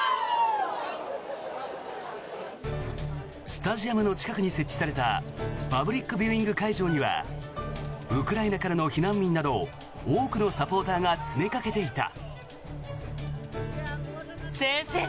スタジアムの近くに設置されたパブリックビューイング会場にはウクライナからの避難民など多くのサポーターが詰めかけていた。